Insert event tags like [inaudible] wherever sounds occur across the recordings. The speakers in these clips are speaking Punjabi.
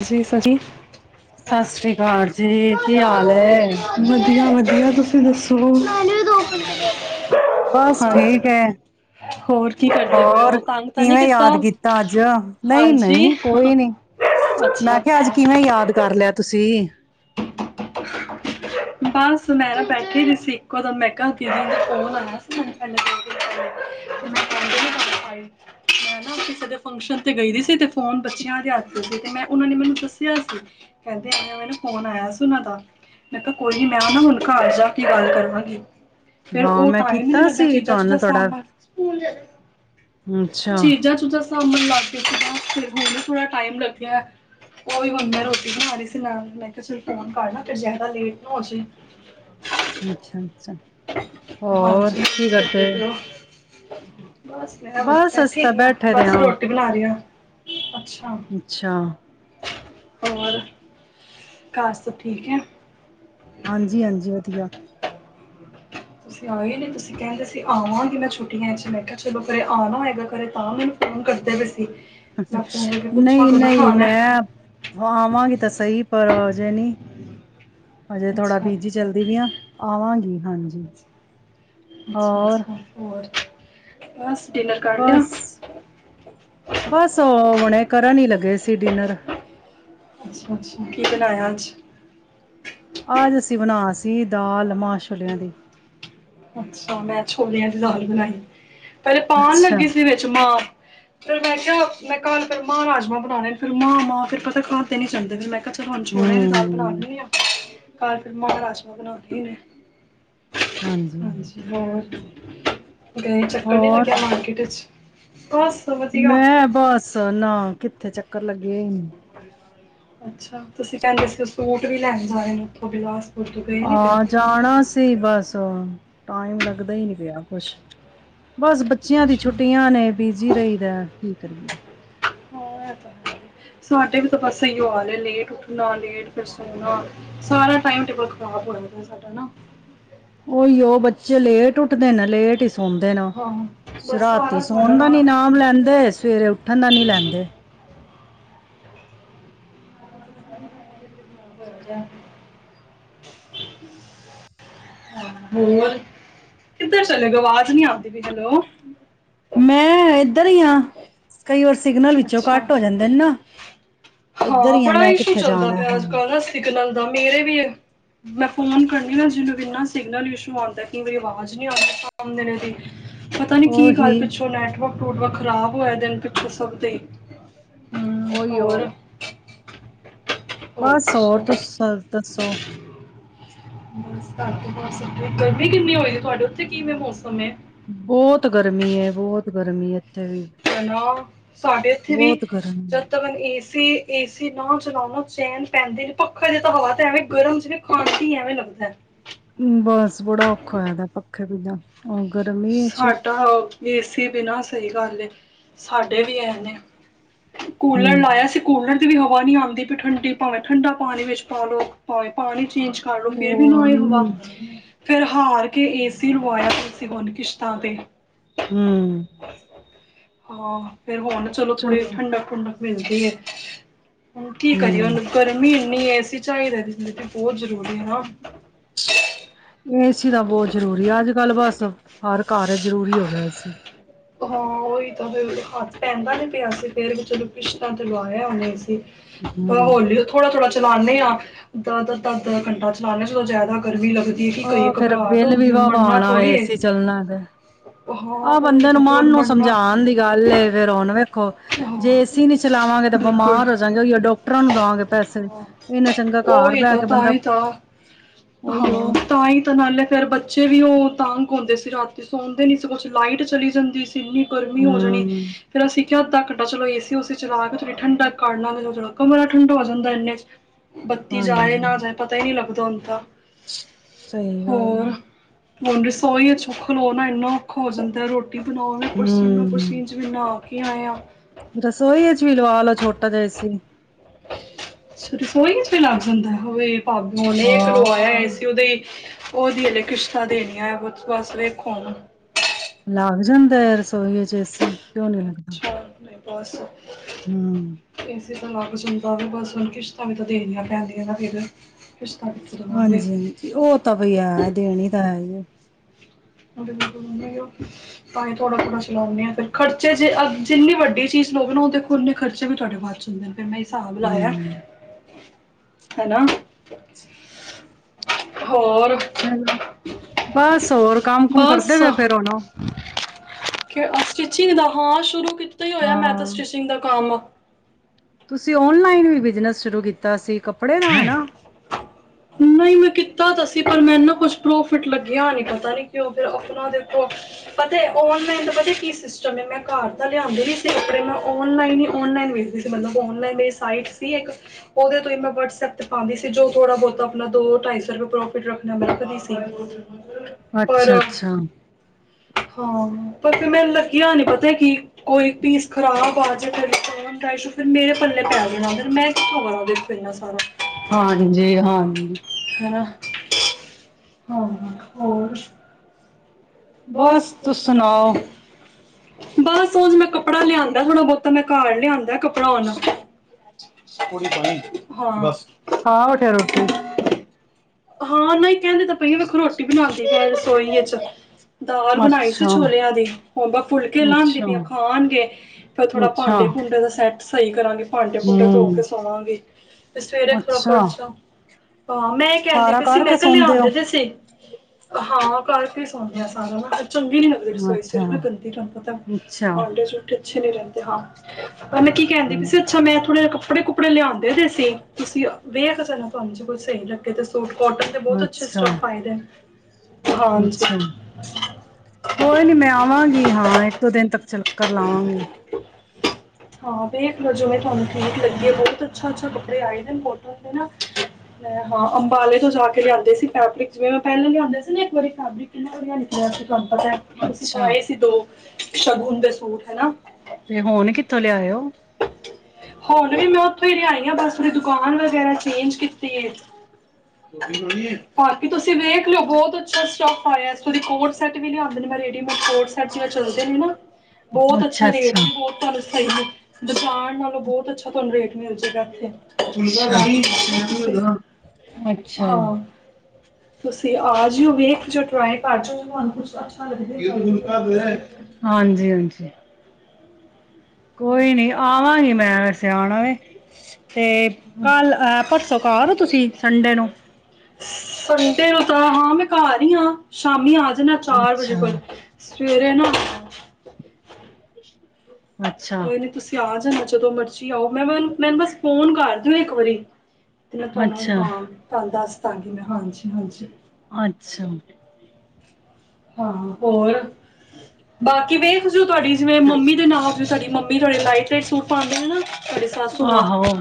ਤੁਸੀ ਦਸੋ ਜੀ ਸਤਿ ਸ੍ਰੀ ਅਕਾਲ ਹਾਂਜੀ ਕੀ ਜੀ ਹਾਲ ਐ, ਹੈ ਵਧੀਆ- ਵਧੀਆ ਤੁਸੀਂ ਦੱਸੋ [unintelligible] ਬਸ ਠੀਕ ਹੈ ਹੋਰ ਕੀ ਕਰਦੇ ਪਏ ਹੋ ਹੋਰ, ਤੰਗ ਤਾਂ ਨਹੀਂ ਕਿਵੇਂ ਯਾਦ ਕੀਤਾ ਅੱਜ, ਨਹੀਂ- ਹਾਂਜੀ ਨਹੀਂ ਕੋਈ ਨੀ ਅੱਛਾ ਮੈਂ ਕਿਹਾ ਅੱਜ ਅੱਛਾ ਕਿਵੇਂ ਯਾਦ ਕਰ ਲਿਆ ਤੁਸੀਂ [inaudible] ਬਸ ਮੈ ਨਾ ਬੈਠੀ ਦੀ ਸੀ ਇੱਕੋ ਦਾ ਮੈਂ ਕਿਆ ਦੀਦੀ ਦਾ ਫੋਨ ਆਨਾ ਸੀ ਪੈਲੇ [inaudible] ਮੈਂ ਨਾ ਕਿਸੇ ਦੇ ਫੰਕਸ਼ਨ ਤੇ ਗਈ ਦੀ ਸੀ ਤੇ ਫੋਨ ਬੱਚਿਆਂ ਦੇ ਹੱਥ ਵਿਚ ਸੀ ਤੇ ਮੈਂ ਓਨਾਂ ਨੇ ਮੈਨੂੰ ਦੱਸਿਆ ਸੀ ਕੈਂਦੇ ਮੈਨੂੰ ਫ਼ੋਨ ਆਏਆ ਸੀ ਓਨਾਂ ਦਾ, ਮੈਂ ਕਿਆ ਕੋਈ ਨੀ ਮੈਂ ਨਾ ਹੁਨ ਘਰ ਜਾ ਕੇ ਗੱਲ ਕਰਾਂਗੀ। ਫੇਰ ਹਾਂ ਓ ਮੈਂ ਟਾਈਮ ਈ ਨੀ ਕੀਤਾ ਲੱਗਿਆ ਸੀ ਚੀਜ਼ਾਂ ਚੂਜਾਂ ਤੁਹਾਨੂੰ ਤੁਹਾਡਾ ਸਾਂਬਨ ਫੂਨ ਦੇ ਦੋ, ਅੱਛਾ ਚੀਜ਼ਾਂ ਚੂਜਾਂ ਸਾਂ ਸਾਂਮਨ ਲਾਗੇ ਸੀ ਤੇ ਹੁਨ ਈ ਥੋੜ੍ਹਾ ਟਾਈਮ ਲੱਗਿਆ। ਓ ਵੀ ਹੁਨ ਮੈਂ ਰੋਟੀ ਬਨਾ ਰੀ ਸੀ ਨਾਲ ਮੈਂ ਲੈ ਕੇ ਕਿਸੇ ਨੂੰ ਫੋਨ ਕਰਨਾ ਫੇਰ ਜ਼ਾਦਾ ਲੇਟ ਨਾ ਹੋਜੇ। ਅੱਛਾ-ਅੱਛਾ, ਹਾਂਜੀ ਹੋਰ ਕੀ ਕਰਦੇ ਪਏ ਹੋ ਬਸ ਮੈਂ ਬਸ ਅਸੀ ਬੈਠੇ ਤਾਂ ਦੀ ਆਂ, ਬੈਠੇ ਦੇ ਬਸ ਹਾਂ ਰੋਟੀ ਬਨਾ ਰਈ ਆਂ, ਅੱਛਾ। ਅੱਛਾ। ਹੋਰ ਘਰ ਸਬ ਠੀਕ ਐਂ। ਹਾਂਜੀ-ਹਾਂਜੀ ਵਦੀਆ ਤੁਸੀਂ ਆਏ ਨੀ ਤੁਸੀਂ ਕੈਂਦੇ ਸੀ ਅਸੀਂ ਆਵਾਂਗੇ ਮੈਂ ਛੁੱਟੀਆਂ ਚ ਮੈਂ ਕਿਆ ਚਲੋ ਘਰੇ ਆਣਾ ਹੈਗਾ ਘਰੇ ਤਾਂ ਮੈਨੂੰ [unintelligible] ਕਰਦੇ ਪਏ ਸੀ। ਮੈਂ ਫੋਨ ਕਰਕੇ ਪੁੱਛਾਂ ਕਦੋਂ ਨਈ-ਨਈ ਆਉਣਾ ਮੈਂ ਹਾਂ ਆਵਾਂਗੀ ਤਾਂ ਸਈ ਪਰ ਹਜੇ ਨੀ, ਹਜੇ ਥੋੜਾ ਅੱਛਾ ਬਿਜੀ ਚੱਲ ਰਈ ਆਂ, ਆਵਾਂਗੀ ਹਾਂਜੀ। ਹੋਰ ਅੱਛਾ-ਅੱਛਾ ਹੋਰ, ਬਸ ਡਿਨਰ ਕਰ ਲਿਆ ਬਸ, ਬਸ ਓ ਹੁਨੇ ਕਰਨ ਈ ਲੱਗੇ ਸੀ ਡਿਨਰ। ਅੱਛਾ-ਅੱਛਾ, ਕੀ ਬਨਾਇਆ ਅੱਜ। ਆਜ ਅਸੀਂ ਬਨਾਏਆ ਸੀ ਦਾਲ ਮਾਂਅ ਛੋਲਿਆਂ ਦੀ। ਅੱਛਾ ਮੈਂ ਛੋਲਿਆਂ ਦੀ ਦਾਲ ਬਨਾਈ, ਪੈਲੇ ਪਾਣ ਅੱਛਾ ਲੱਗੀ ਸੀ ਵਿੱਚ ਮਾਂਅ। ਫਿਰ ਮੈਂ ਕਿਆ ਮੈਂ ਕੱਲ ਮਾਂਅ ਰਾਜਮਾਂ ਬਨਾਨੇ ਨੇ ਫਿਰ ਮਾਂਅ-ਮਾਂਅ ਫੇਰ ਪਤਾ ਖਾਨ ਤੇ ਨੀ ਜਾਂਦੇ ਫਿਰ ਮੈਂ ਕਿਆ ਹੁਨ ਛੋਲਿਆਂ ਦੀ ਦਾਲ ਬਨਾ ਹਮ ਲੈਨੀ ਆਂ, ਕੱਲ ਫਿਰ ਮਹਾਂ ਰਾਜਮਾਂ ਬਨਾਨੇ ਈ ਨੇ। ਹਾਂਜੀ ਹੋਰ ਕਦੇ ਚੱਕਰ ਨੀ ਹੋਰ ਲੱਗਿਆ ਮਾਰਕੀਟ ਚ ਬਸ ਵਧੀਆ ਮੈਂ ਬਸ ਨਾ ਕਿੱਥੇ ਚੱਕਰ ਲੱਗੇਆ ਈ ਨੀ। ਅੱਛਾ ਤੁਸੀਂ ਕੈਂਦੇ ਸੀ ਸੂਟ ਵੀ ਲੈਨ ਜਾਨੇ ਨੇ ਓਥੋਂ ਬਿਲਾਸ ਆ ਜਾਨਾ ਸੀ ਸੀ ਬਸ ਟਾਈਮ ਲੱਗਦਾ ਈ ਨਈ ਪਿਆ ਕੁਛ, ਬਸ ਬੱ ਬੱਚਿਆਂ ਦੀ ਅੱਛਾ ਛੁੱਟੀਆਂ ਨੇ ਬਿਜੀ ਰਈਦਾ ਕੀ ਕਰੀਏ ਹਾਂ ਐਹ ਤਾਂ ਹੈ। ਸਾਡੇ ਵੀ ਤਾਂ ਬਸ ਏਈਓ ਹਾਲ ਐ ਲੇਟ ਉੱਠਨਾ ਲੇਟ ਫੇਰ ਸੋਨਾ ਸਾਰਾ ਟਾਈਮ ਟੇਬਲ ਖ ਖਰਾਬ ਹੋ ਜਾਂਦੈ ਸਾਡਾ ਨਾ। ਓਈ ਓ ਬੱਚੇ ਲੇਟ ਉੱਠਦੇ ਨੇ ਲੇਟ ਈ ਸੌਦੇ ਨੇ ਹਾਂ ਬਸ ਰਾਤੀ ਸਾਰਾ ਸਾਡਾ ਸੋਨ ਦਾ ਨਾ ਨੀ ਨਾਮ ਲੈਂਦੇ ਸਵੇਰੇ ਉੱਠਨ ਦਾ ਨੀ ਲੈਂਦੇ। [inaudible] ਹੋ ਜਾ ਹੋਰ ਕਿੱਦਰ ਚਲੇ ਗਏ ਆਵਾਜ਼ ਨੀ ਆਂਦੀ ਪਈ ਹੈਲੋ ਮੈਂ ਇੱਧਰ ਹੀ ਹਾਂ ਕਈ ਵਾਰ ਸਿਗਨਲ ਵਿੱਚੋਂ ਅੱਛਾ ਕੱਟ ਹੋ ਜਾਂਦੇ ਨੇ ਨਾ ਇੱਧਰ ਹਾਂ ਹੀ ਆ ਬੜਾ ਮੈਂ ਇਸ਼ੂ ਕਿੱਥੇ ਚੱਲਦਾ ਜਾਣਾ ਪਿਆ ਹਾਂ ਅੱਜ-ਕੱਲ ਸਿਗਨਲ ਦਾ ਮੇਰੇ ਵੀ ਏ ਮੈਂ ਫੋਨ ਕਰਨੀ ਨਾ ਜਿਹਨੂੰ ਇੰਨਾ ਸਿਗਨਲ ਇਸ਼ੂ ਆਂਦਾ ਕਈ ਵਾਰੀ ਆਵਾ [unintelligible] ਦੀ ਪਤਾ ਨੀ ਕੀ ਗੱਲ ਉਹੀ ਪਿੱਛੋਂ ਨੈਟਵਰਕ ਨੁਟਵਰਕ ਖ਼ਰਾਬ ਹੋਏ ਦੇਣੇ ਪਿੱਛੋਂ ਸਭ ਤੇ ਓਹੀਓ ਬਸ ਹੋਰ ਤੁਸੀ ਦੱਸੋ [unintelligible] ਗਰਮੀ ਕਿੰਨੀ ਹੋਈ ਤੁਹਾਡੇ ਉੱਥੇ ਕਿਵੇਂ ਮੌਸਮ ਐਂ। ਬੋਤ ਗਰਮੀ ਐ, ਬਹੁਤ ਗਰਮੀ ਇੱਥੇ ਵੀ ਹਨਾਂ, ਸਾਡੇ ਇੱਥੇ ਵੀ ਬਹੁਤ ਜਦ ਗਰਮੀ ਤਕਨ ਏ ਸੀ ਏਸੀ ਨਾ ਚਲਾਉ ਨਾ ਚੈਨ ਪੈਂਦੇ ਨੇ ਪੱਖੇ ਦੇ ਤਾਂ ਹਵਾ ਤਾਂ ਐਵੇਂ ਗਰਮ ਚਨ ਖਾਂਦੀ ਐਵੇਂ ਲੱਗਦਾ ਬਸ ਬੜਾ ਔਖਾ ਹੋਇਆ ਦਾ ਪੱਖੇ ਬਿਨਾ ਗਰਮੀ ਚ ਏ ਸੀ ਬਿਨਾਂ ਸਹੀ ਗੱਲ ਏ, ਸਾਡੇ ਵੀ ਐ ਨੇ ਕੂਲਰ ਹਮ ਲਾਇਆ ਸੀ ਕੂਲਰ ਦੀ ਵੀ ਹਵਾ ਨ੍ਹੀਂ ਆਂਦੀ ਪੀ ਠੰਡੀ ਭਾਵੇਂ ਠੰਡਾ ਪਾਣੀ ਵਿੱਚ ਪਾ ਲੋ ਭਾਵੇਂ ਪਾਣੀ ਚੇਂਜ ਕਰ ਲੋ ਫਿਰ ਵੀ ਨੀ ਹੋਏ ਹੋਰ [unintelligible] ਫੇਰ ਹਾਰ ਕੇ ਏਸੀ ਲੀਵਾਇਆ ਏ ਸੀ ਬੁੰਨ ਕੇ ਕਿਸ਼ਤਾਂ ਤੇ ਹਂ ਹਾਂ, ਫੇਰ ਹੁਣ ਨਾ ਚਲੋ ਥੋੜ੍ਹੇ ਠੰਡਕ-ਠੁੰਡਕ ਮਿਲਦੀ ਐ ਹੁਣ ਕੀ ਕਰੀਏ ਹਮ ਹੁਣ ਗਰਮੀ ਇੰਨੀ ਏ, ਏਸੀ ਚਾਹੀਦਾ [unintelligible] ਬਹੁਤ ਜ਼ਰੂਰੀ ਐ ਨਾ। ਏ ਸੀ ਤਾਂ ਬਹੁਤ ਜ਼ਰੂਰੀ ਆ ਅੱਜ-ਕੱਲ੍ਹ ਬਸ ਹਰ ਘਰ ਜ਼ਰੂਰੀ ਹੋ ਗਿਆ ਏ ਸੀ ਹਾਂ ਉਹੀ ਤਾਂ ਫਿਰ ਹੱਥ ਪੈਂਦਾ ਨੀ ਪਿਆ ਸੀ ਫੇਰ ਵੀ ਚਲੋ ਕਿਸਤਾ ਤੇ ਲਵਾਇਆ ਹੁਨ ਏ ਸੀ ਏ ਹਮ ਹੋਲੀ ਥੋੜਾ-ਥੋੜਾ ਚਲਾਣੇ ਆਂ ਦ ਦੱਧ ਘੰਟਾ ਚਲਾਨਾਂ ਜਦੋਂ ਜਿਆਦਾ ਗਰਮੀ ਲੱਗਦੀ ਕੀ ਕਰੀਏ ਉਹ ਫੇਰ ਘਬਰਾਹਟ ਬਿੱਲ ਵੀ ਹੁੰਦੀ, ਵਾਵਾ ਮਰਨਾ ਆਉਣਾ ਹੋਏ ਥੋੜੀ ਏ ਏਸੀ ਚੱਲਣਾ ਤੇ ਹਾਂ ਆਹ ਉਹੀ ਬੰਦੇ ਤੇ ਨੂੰ ਮਨ ਨੂੰ ਸਮਝਾਣ ਦੀ ਗੱਲ ਏ ਫੇਰ ਹੁਣ ਵੇਖੋ, ਜੇ ਹਾਂ ਏ ਸੀ ਨੀ ਚਲਾਵਾਂਗੇ ਤਾਂ ਬਿਲਕੁਲ ਬਿਮਾਰ ਹੋ ਜਾਂਗੇ ਉਹੀ ਡਾਕ ਡੋਟਰਾਂ ਨੂੰ ਦਾਂਗੇ ਪੈਸੇ, ਹਾਂ ਇੰਨਾ ਚੰਗਾ ਘਰ ਉਹੀ ਬਹਿ ਤਾਂ ਕੇ ਤਾਂ ਬੰਦਾ ਹੀ ਤਾਂ ਉਹੀਓ ਹਾਂ ਤਾਂ ਈ ਤਾਂ ਨਾਲੇ ਫੇਰ ਬਚ ਬੱਚੇ ਵੀ ਉਹ ਤੰਗ ਹੁੰਦੇ ਸੀ ਰਾਤੀ ਸੌਂਦੇ ਨੀ ਸੀ ਕੁਛ ਲਾਈਟ ਚਲੀ ਜਾਂਦੀ ਸੀ ਇੰਨੀ ਗਰਮੀ ਹੋ ਜਾਣੀ ਹੂੰ ਫੇਰ ਅਸੀਂ ਕਿਆ ਅੱਧਾ ਘਟਾ ਚਲੋ ਏ ਸੀ ਉ ਸੀ ਚਲਾ ਕੇ ਥੋੜ੍ਹਾ ਠੰਡਕ ਕਰਢ ਲਾਂਗੇ, ਥੋੜਾ ਕਮਰਾ ਠੰਡਾ ਹੋ ਜਾਂਦਾ ਇੰਨੇ [inaudible] ਬੱਤੀ ਜਾਏ, ਹਾਂਜੀ ਨਾ ਜਾਏ ਪਤਾ ਈ ਨ੍ਹੀਂ ਲੱਗਦਾ ਹੁਣ ਤਾਂ ਸਹੀ ਗੱਲ ਹੋਰ ਏ ਹੁਣ ਰਸੋਈਆਂ ਇੱਚ ਖਲੋਨਾ ਇੰਨਾ ਔਖਾ ਹੋ ਜਾਂਦਾ ਰੋਟੀ ਬਣਾਉ ਨਾ ਪਰਸੀਨੋਂ ਹੂੰ ਪਸੀਨ ਨਾਹ ਕੇ ਆਏਆਂ ਰਸੋਈ ਵਿਚ ਵੀ ਲਵਾ ਲੋ ਛੋਟਾ ਜਿਹਾ ਏ ਸੀ ਅੱਛਾ ਰਸੋਈ ਵਿੱਚ ਵੀ ਲੱਗ ਜਾਂਦਾ, ਹੋਵੇ ਬਾਬੂਨੇ ਇੱਕ ਲਵਾਇਆ ਹਾਂ ਏਸੀ ਉਹਦੇ ਉਹਦੀ ਐਲੇ ਕਿਸ਼ਤਾਂ ਦੇਣੀਆਂ ਵ ਬਸ ਵੇਖੋ ਹੁਣ। ਲੱਗ ਜਾਂਦਾ ਰਸੋਈ ਇਚ ਏਸੀ ਕਿਉਂ ਨੀ ਲੱਗਦਾ। [unintelligible] ਨਈਂ ਬਸ। ਹਂ। ਏਸੀ ਤਾਂ ਲੱਗ ਜੂਗਾ ਵੀ ਬਸ ਹੁਣ ਕਿਸ਼ਤਾਂ ਵੀ ਤਾਂ ਦੇਣੀਆਂ ਪੈਂਦੀਆਂ ਨਾ ਫਿਰ ਕਿਸ਼ਤਾਂ ਕਿੱਥੋਂ ਦੇਵਾਂਗੇ ਹਾਂਜੀ ਹਾਂਜੀ, ਉਹ ਤਾਂ ਬਈ ਹੈ ਦੇਣੀ ਤਾਂ ਹੈ ਈ ਐ। ਮੁੜੇ ਮ [unintelligible] ਤਾਂ ਈ ਥੋੜ੍ਹਾ-ਥੋੜ੍ਹਾ ਚਲਾਣੇ ਆਂ ਫਿਰ ਖਰਚੇ ਜੇ ਆ ਜਿਨੀ ਵੱਡੀ ਚੀਜ਼ ਲੋਗੇ ਨਾ ਉਹ ਦੇਖੋ ਉਨੇ ਖਰਚੇ ਵੀ ਤੁਹਾਡੇ ਵਧ ਜਾਂਦੇ ਨੇ। ਫਿਰ ਮੈਂ ਹਿਸਾਬ ਲਾਇਆ, ਹੂੰ ਹਨਾ? ਹੋਰ ਚਲੋ ਬਸ ਹੋਰ ਕੰਮ- ਕੁਮ ਬਸ ਕਰਦੇ ਪੈ ਫੇਰ ਹੁਣ। ਸਟਿਚਿੰਗ ਦਾ ਹਾਂ ਸ਼ੁਰੂ ਕੀਤਾ ਹੀ ਹੋਇਆ ਮੈਂ ਤਾਂ ਹਾਂ। ਸਟਿਚਿੰਗ ਦਾ ਕੰਮ। ਤੁਸੀਂ ਓਨਲਾਈਨ ਵੀ ਬਿਜਨਸ ਸ਼ੁਰੂ ਕੀਤਾ ਸੀ, ਕੱਪੜੇ ਦਾ ਹੈ ਨਾ। ਨਹੀਂ ਮੈਂ ਕੀਤਾ ਤਾਂ ਸੀ ਪਰ ਮੈ ਨਾ ਕੁਛ ਪ੍ਰੋਫਿਟ ਲੱਗਿਆ ਨਹੀਂ ਪਤਾ ਨੀ ਕਿ ਉਹ ਫੇਰ ਆਪਣਾ ਦੇਖੋ। ਪਤਾ ਆਨਲਾਈਨ ਪਤਾ ਕਿ ਸੀ- ਸਟਮ ਮੈਂ ਘਰ ਤਾਂ ਲਿਆਂਂਦੀ ਰ ਸੀ ਕਪੜੇ ਮੈਂ ਔਨਲਾਈਨ ਹੀ ਔਨਲਾਈਨ ਵੇਚਦੀ ਸੀ ਮਤਲਬ ਔਨਲਾਈਨ ਮੇਰੀ ਸਾਈਟ ਸੀ ਇੱਕ। ਉਹਦੇ ਤੋਂ ਹੀ ਮੈਂ ਵਟਸਐਪ ਤੇ ਪਾਉਂਦੀ ਸੀ, ਜੋ ਥੋੜਾ ਬਹੁ ਆਪਣਾ ਦੋ- ਢਾਈ ਸੌ ਰੁਪਏ ਪ੍ਰੋ- ਰੱਖਣਾ ਮਿਹਨਤ ਨੀ ਸੀ, ਪਰ ਓਹ ਅੱਛਾ-ਅੱਛਾ, ਹਾਂ ਪਰ ਮੈ ਲੱਗਿਆ ਨੀ ਪਤਾ ਕਿ, ਕੋਈ ਪੀਸ ਖ਼ਰਾਬ ਆ ਜੇ ਫੇਰ। ਢਾਈ ਸੋ ਰੁਪਏ ਮੇਰੇ ਪੱਲੇ ਪੈ ਦੇਣਾ ਫ ਮੈਂ ਕਿੱਥੋਂ ਕਰਾਂਗੀ ਇਹਨਾ ਸਾਰਾ। ਹਾਂਜੀ, ਹਾਂਜੀ। ਹੈ ਹਾਂ-ਹਾਂ ਹੋਰ? ਬਸ ਤੁੂਸ ਸੁਣਾਓ? ਬਸ ਉਹਜ ਮੈਂ ਕੱਪੜਾ ਲਿਆਂਦਾ ਥੋੜਾ- ਬਹੁਤਾ ਮੈਂ ਘਰ ਲਿਆਂਉਦਾੱ ਕਪੜਾ। ਥੋੜੀ ਪਾਈ, ਹਾਂ ਬਸ, ਖਾ ਉ ਤੇ ਰੋਟੀ। ਹਾਂ ਨਹੀਂ ਕਹਿੰਦੇ ਤਾਂ ਪਈ ਵੇਖੋ ਰੋਟੀ ਬਣਾਉਂਦੇ ਫੇਰ ਰਸੋਈ ਚ। ਦਾਲ ਬਣਾਈ ਸੀ ਅੱਛਾ-ਅੱਛਾ-ਅੱਛਾ, ਛੋਲਿਆਂ ਦੀ, ਉਹ ਫੁਲਕੇ ਲਾਦੀ ਪਆਂ ਹੂੰ। ਖਾਣਗੇ ਫੇਰ ਥੋੜਾ ਭਾਂਡੇ- ਭੂੰਡੇ ਦਾ ਸੈਟ। ਸਹੀ ਕਰਾਂਗੇ ਭਾਂਡੇ- ਭੂੰਡੇ ਧੋ ਕੇ ਸੋਵਾਂਗੇ, ਤੇ ਸਵੇਰੇ ਖੋ ਅੱਛਾ, ਖਰਚਾ। ਹਾਂ ਮੈਂ ਕਹਿੰਦੀ ਸਾਰਾ ਪਈ ਸੀ, ਮੈਂ ਕਰਕੇ ਕਿਹਾ ਸੌਦੇ ਓ? ਲਿਆਦੇ ਤੁਸੀ ਹਾਂ ਕਰਕੇ ਸੁਣ। ਮੈਂ ਸਾਰਾ ਨਾ ਚੰਗੀ ਨੀ ਲੱਗਦੀ ਰਸੋਈ ਸਵੇਰੇ ਨਾ ਅੱਛਾ-ਅੱਛਾ, ਗੰਦੀ ਤੁਹਾਨੂੰ ਪਤਾ ਪਾਂਡੇ ਅੱਛੇ ਨੀ ਲੱਗਦੀ ਹਾਂ, ਪਰ ਮੈਂ ਕੀ ਕਹਿੰਦੀ ਪੀ ਸੀ ਅੱਛਾ ਮੈਂ ਥੋੜੇ ਕੱਪੜੇ ਕੁ- ਕੱਪੜੇ ਲਿਆਉਂਦੇ ਤੇ ਸੀ, ਤੁਸੀਂ ਵੇਖ ਸ ਤੁਹਾਨੂੰ ਜੇ ਸਹੀ ਲੱਗੇ ਤੇ ਹੁਣ ਕੋਟਨ ਦੇ ਬਹੁਤ ਅੱਛੇ ਸਟਫ ਆਏ ਨੇ, ਹਾਂਜੀ। ਅੱਛਾ-ਅੱਛਾ। ਕੋਈ ਨੀ ਮੈਂ ਆਵਾਂਗੀ ਹਾਂ, ਇੱਕ- ਦੋ ਦਿਨ ਤੱਕ ਚੱਕਰ ਲਾਵਾਂਗੀ। ਹਾਂ ਵੇਖ ਲੋ ਜਿਵੇਂ ਤੁਹਾਨੂੰ ਠੀਕ ਲੱਗੇ, ਬਹੁਤ ਅੱਛਾ- ਅੱਛਾ ਕੱਪੜੇ ਆਏੋ ਨੇ ਕੋਟਨ ਦੇ ਨਾ। ਹਾਂ ਅੰਬਾਲੇ ਤੋਂ ਜਾ ਕੇ ਲਿਆਦੇ ਸੀ ਫੈਬਰਿਕ, ਜਿਵੇਂ ਮੈਂ ਪਹਿਲਾਂ ਲਿਆਦੇ ਸੀ ਨਾ ਇੱਕ ਵਾਰੀ ਫੈਬਰਿਕ। ਕਿੰਨਾ ਵਧੀਆ ਨਿਕਲੀਆਂ ਸੀ, ਤੁਹਾਨੂੰ ਪਤਾ ਹੈ ਤੁਸੀਂ ਅੱਛਾ। ਪਏ ਸੀ ਦੋ ਸ਼ਗੁਨ ਦੇ ਸੂਟ ਹਨਾ। ਤੇ ਹੁਣ ਕਿੱਥੋਂ ਲਿਆਇਓ? ਹੁਣ ਵੀ ਮੈਂ ਉੱਥੋਂ ਹੀ ਲਿਆਈ ਆ, ਬਸ ਮੇਰੀ ਦੁਕਾਨ ਵਗੈਰਾ ਚੇਂਜ ਕੀਤੀ ਐ। ਬਾਕੀ ਤੁਸੀਂ ਵੇਖ ਲੋ ਬਹੁਤ ਅੱਛਾ ਸਟਫ ਆਇਆ ਐ। ਥੋੜੇ ਕੋਟ ਸੈਟ ਵੀ ਲਿਆਦੇ ਨੇ ਮੈ ਰੇਢੀਮੇਡ ਜਿਵੇਂ ਚਲਦੇ ਨੇ ਨਾ ਬਹੁਤ ਅੱਛਾ ਰੇਟ ਬ- ਤੁਹਾਨੂੰ ਸਹੀ ਮਿਲੇ, ਦੁਕਾਨ ਨਾਲੋਂ। ਬਹੁਤ ਅੱਛਾ ਤੁਹਾਨੂੰ ਰੇਟ ਮਿਲ ਜਾਣੇਗਾ ਇੱਥੇ। ਅੱਛਾ, ਅੱਛਾ। ਹਾਂ ਤੁਸੀਂ ਆ ਜੇਓ, ਵੇਖ ਜੋ, ਟਰਾਈ ਕਰ ਜਾਓ, ਤੁਹਾਨੂੰ ਪਸੰਦ ਆ ਜਾਏ ਤੇ [unintelligible] ਹਾਂਜੀ- ਹਾਂਜੀ। ਕੋਈ ਨੀ ਆਵਾਂਗੀ, ਮੈਂ ਵੈਸੇ ਆਣਾ ਐ ਤੇ ਕੱਲ ਐ- ਪਰਸੌ ਘਰ ਹੋ ਤੁਸੀਂ, ਸੰਡੇ ਨੂੰ? ਸੰਡੇ ਨੂੰ ਤਾਂ ਹਾਂ ਮੈਂ ਘਰ ਹੀ ਆ, ਸ਼ਾਮੀ ਆ ਜਾਣਾ ਚਾਰ ਵਜੇ ਅੱਛਾ ਕੋਲ। ਸਵੇਰੇ ਨਾ ਅੱਛਾ ਕੋਈ ਨੀ ਤੁਸੀਂ ਆ ਜਾਣਾ ਜਦੋਂ ਮਰਜ਼ੀ ਆਓ, ਮੈਂ ਮੈਨੂੰ ਬਸ ਫੋਨ ਕਰ ਦਿਓ ਇੱਕ ਵਾਰੀ। ਤੇ ਮੈਂ ਤੁਹਾਨੂੰ ਅੱਛਾ ਹਾਂ, ਤਹਾਨੂੰ ਦੱਸ ਦਾਂਗੀ ਮੈਂ ਹਾਂਜੀ- ਹਾਂਜੀ। ਅੱਛਾ, ਹਾਂ ਹੋਰ ਬਾਕੀ ਵੇਖਜੋ ਤੁਹਾਡੀ ਜਿਵੇਂ ਮੰਮੀ ਦੇ ਨਾ ਤੇ ਸਾਡੀ ਮੰਮੀ ਮੰਮੀ ਥੋੜੇ ਲਾਈਟ ਲਾਈਟ ਸੂਟ ਪਾਂਦੇ ਨਾ ਤੁਹਾਡੇ ਸਾਸੂ ਮਾਂ। ਆਹੋ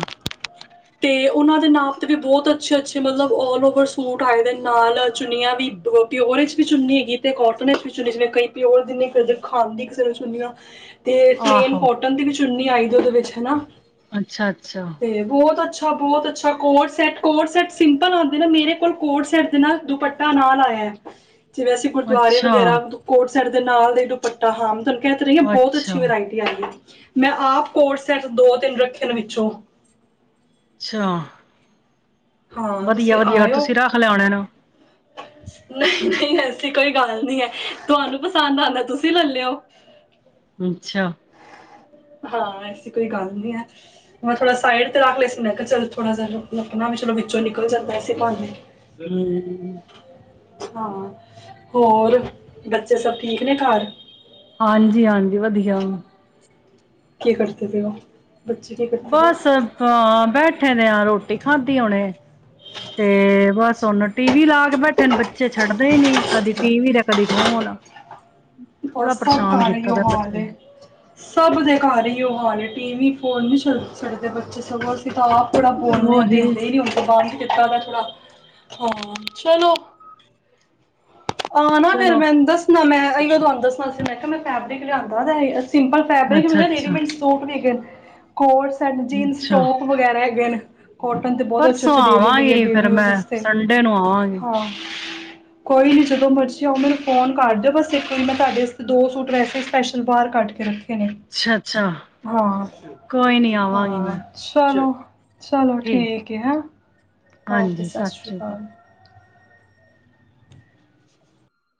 ਤੇ ਉਹਨਾਂ ਦੇ ਨਾਮ ਤੇ ਵੀ ਬਹੁਤ ਅੱਛੇ ਅੱਛੇ ਮਤਲਬ ਆਲ ਓਵਰ ਸੂਟ ਆ ਜਾਂਦੇ ਨੇ ਨਾਲ ਚੁੰਨੀਆਂ ਵੀ ਉਹਦੇ ਵਿੱਚ ਵੀ ਚੁੰਨੀ ਹੈਗੀ। ਤੇ ਕੋਟਨ [unintelligible] ਕਈ ਪਿਓਰ ਫਿਰਦੇ ਖਾਂਦੀ ਕਿਸੇ ਨੂੰ, ਚੁੰਨੀਆਂ ਤੇ ਪਲੇਨ ਆਹੋ ਕੋਟਨ ਦੀ ਵੀ ਚੁੰਨੀ ਆਈ ਦੀ ਉਹਦੇ ਵਿੱਚ ਹਨਾ ਅੱਛਾ ਅੱਛਾ। ਤੇ ਬਹੁਤ ਅੱਛਾ ਬਹੁਤ ਅੱਛਾ coord set coord set simple ਹੁੰਦੇ ਨਾ ਮੇਰੇ ਕੋਲ ਕੋਟ ਸੈਟ ਦੇ ਨਾ ਦੁਪੱਟੇ ਨਾਲ ਆਇਆ ਜਿਵੇਂ ਅਸੀਂ ਦੁਆਰੇ ਅੱਛਾ ਵਗੈਰਾ ਕੋਟ ਸੈੱਟ ਦੇ ਨਾਲ ਦਾ ਦੁਪਟਾ ਹੂੰ ਤੁਹਾਨੂੰ ਕਹਿ ਰਹੀ ਬਹੁਤ ਅੱਛਾ ਅੱਛੀ ਵਰਾਇਟੀ ਮੈਂ ਆਪ ਕੋਟ ਸੈਂਟ ਦੋ ਤਿੰਨ ਰੱਖ ਨੇ ਵਿੱਚੋਂ। ਅੱਛਾ ਹਾਂ ਵਧੀਆ ਤੁਸੀਂ ਵਧੀਆ ਆਇਓ ਤੁਸੀਂ ਰੱਖਲੈ ਹੋਣੇ ਨਾ। ਨਹੀਂ ਨਹੀਂ ਐਸੀ ਕੋਈ ਗੱਲ ਨਹੀਂ ਐ ਤੁਹਾਨੂੰ ਪਸੰਦ ਆਂਦਾ ਤੁਸੀਂ ਲੈ ਲਈ ਓ। ਅੱਛਾ। ਹਾਂ ਐਸੀ ਕੋਈ ਗੱਲ ਨੀ ਹੈ ਮੈਂ ਥੋੜਾ ਸਾਈਡ ਤੇ ਰੱਖ ਲਏ ਸੀ ਮੈਂ ਕਿਹਾ ਚੱਲ ਥੋੜਾ ਜਾ, ਰੱਖ ਆਪਣਾ ਵੀ ਚਲੋ ਵਿੱਚੋਂ ਨਿਕਲ ਜਾਂਦਾ ਅ [unintelligible] ਹਾਂ ਹੋਰ ਬੱਚੇ ਸਭ ਠੀਕ ਨੇ ਘਰ। ਹਾਂਜੀ ਹਾਂਜੀ ਵਧੀਆ ਵਾ। ਕੀ ਕਰਦੇ ਪਏ ਹੋ। ਬੱਚੇ ਕੀ ਬਸ ਬੈਠੇ ਦੇ ਆ ਰੋਟੀ ਖਾਧੀ ਹੁਣੇ। ਤੇ ਬਸ ਅੱਛਾ ਹੁਣ ਟੀ ਵੀ ਲਾ ਕੇ ਬੈਠੇ ਨੇ ਬੱਚੇ ਛੱਡਦੇ ਹੀ ਨੀ ਕਦੀ ਟੀ ਵੀ ਤੇ ਕਦੀ ਫੋਨ ਬੜਾ ਬਸ ਸਭ ਪਰੇਸ਼ਾਨ ਘਰ ਕੀਤਾ ਇਹੀਓ ਦਾ ਹਾਲ ਬੱਚਿਆਂ ਏ ਸਭ ਦੇ ਘਰ ਇਹੀਓ ਹਾਲ ਏ ਟੀ ਵੀ ਫੋਨ ਨੀ ਛੱਡਦੇ ਬੱਚੇ ਸਗੋਂ ਕਿਤਾਬ ਥੋੜਾ ਨੂੰ ਬੋਲਣੇ ਆ ਉਹੀ ਦੇਦੇ ਹੀ ਨੀ ਹੁੰਦਾ ਬਅਦ ਕੀਤਾ ਦਾ ਥੋੜਾ ਹਾਂ ਚਲੋ ਆ ਨਾ ਫ਼ਿਰ ਚਲੋ ਮੈਂ ਦੱਸਣਾ ਮੈਂ ਇਹੀਓ ਤੁਹਾਨੂੰ ਦੱਸਣਾ ਸੀ ਮੈਂ ਕਿਹਾ ਮੈਂ ਫੈਬਰਿਕ ਲਿਆਂਦਾ ਸਿੰਪਲ ਫੈਬਰਿਕ ਅੱਛਾ ਅੱਛਾ ਰੇਡੀਮੇਡ ਸੂਟ ਵੀ ਹੈਗੇ ਕੋਟ ਸੈਟ ਜੀਨਸ ਅੱਛਾ ਟੋਪ ਵਗੈਰਾ ਹੈਗੇ ਨੇ। ਕੋਟਨ ਤੇ ਬਹੁਤ ਅੱਛੇ ਪਰਸੋਂ ਅੱਛੇ ਡੇਲੀ ਵੀਅਰ ਹਾਂ ਆਵਾਂਗੀ ਡੇਲੀ ਫਿਰ ਯੂਜਜ਼ ਮੈਂ ਸੰਡੇ ਨੂੰ ' ਆਵਾਂਗੀ ਹਾਂ। ਕੋਈ ਨੀ ਜਦੋਂ, ਜਦੋਂ ਮਰਜ਼ੀ ਆਓ ਮੈਨੂੰ ਫੋਨ ਕਰ ਦਿਓ ਬਸ ਇੱਕ ਵਾਰੀ ਮੈਂ ਤੁਹਾਡੇ ਵਾਸਤੇ ਦੋ ਸੂਟ ਵੈਸੇ ਸਪੈਸ਼ਲ ਬਾਹਰ ਕੱਢ ਕੇ ਰੱਖ ਅੱਛਾ ਅੱਛਾ ਹਾਂ ਕੋਈ ਨੀ ਆਵਾਂਗੀ ਹਾਂ ਮੈਂ ਚਲੋ ਚਲੋ ਠੀਕ ਆ ਹੈਂ ਓਕੇ ਸਤਿ ਸ਼੍ਰੀ ਅਕਾਲ।